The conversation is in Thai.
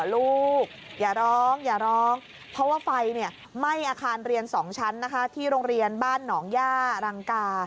ลูกอย่าร้องอย่าร้องเพราะว่าไฟไหม้อาคารเรียน๒ชั้นนะคะที่โรงเรียนบ้านหนองย่ารังกา